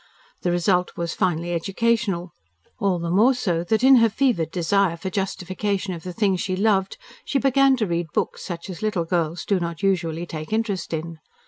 The result was finely educational. All the more so that in her fevered desire for justification of the things she loved, she began to read books such as little girls do not usually take interest in.